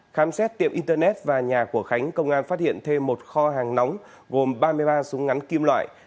khám xét tiệm internet và nhà của khánh công an phát hiện thêm một kho hàng nóng gồm ba mươi ba súng ngắn kim loại